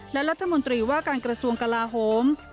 และรัฐมนตรีว่าการกระทรวงกลาโฮม